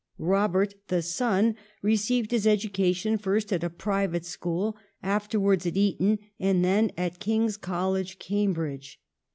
Robert, the son, received his education first at a private school, afterwards at Eton, and then at King's College, Cambridge.